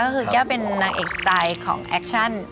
ก็คือแก้วเป็นนางเอกสไตล์ของแอคชั่น